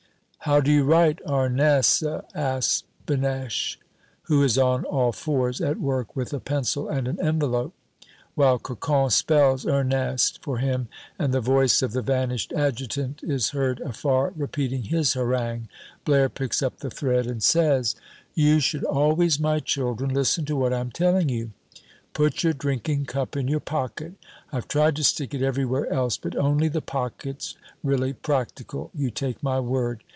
"How do you write 'Arnesse'?" asks Benech, who is on all fours, at work with a pencil and an envelope. While Cocon spells "Ernest" for him and the voice of the vanished adjutant is heard afar repeating his harangue, Blaire picks up the thread, and says "You should always, my children listen to what I'm telling you put your drinking cup in your pocket. I've tried to stick it everywhere else, but only the pocket's really practical, you take my word.